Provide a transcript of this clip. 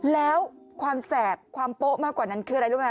แล้วความแสบความโป๊ะมากกว่านั้นคืออะไรรู้ไหม